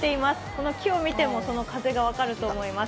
この木を見てもこの風が分かると思います。